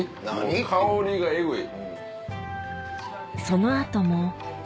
香りがエグい。